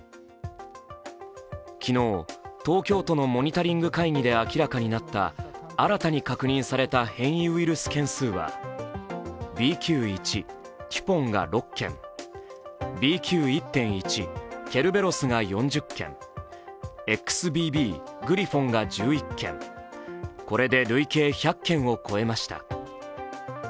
昨日、東京都のモニタリング会議で明らかになった新たに確認された変異ウイルス件数はＢＱ１＝テュポンが６件、ＢＱ．１．１＝ケルベロスが４０件、ＸＢＢ＝グリフォンが１１件、これで累計１００件を超えました。